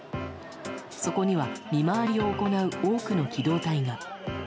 そこには、見回りを行う多くの機動隊が。